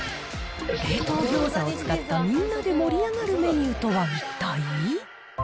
冷凍ギョーザを使ったみんなで盛り上がるメニューとは一体？